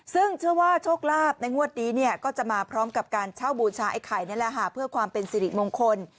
ซึ่งเชื่อว่าโชคลาภในงวดนี้เนี่ยก็จะมาพร้อมกับการเช่าบูชาไอ้ไข่นี่แหละค่ะเพื่อความเป็นสิริมงคล